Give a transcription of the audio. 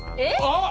あっ。